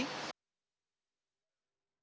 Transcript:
kemudian bekerja kembali di gudagawa